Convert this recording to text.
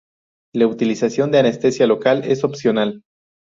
La utilización de anestesia local es opcional.